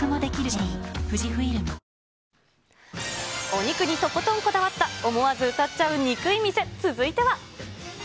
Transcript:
お肉にとことんこだわった思わず歌っちゃうニクい店、続いては。